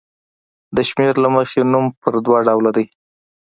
د شمېر له مخې نوم په دوه ډوله دی.